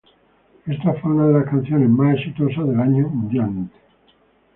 Esta fue una de las canciones más exitosas del año mundialmente.